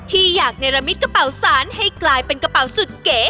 ที่อยากเนรมิตกระเป๋าสารให้กลายเป็นกระเป๋าสุดเก๋